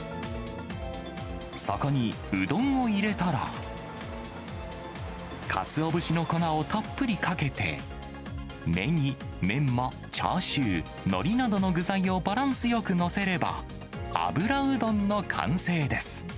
そこにうどんを入れたら、カツオ節の粉をたっぷりかけて、ネギ、メンマ、チャーシュー、ノリなどの具材をバランスよく載せれば、油うどんの完成です。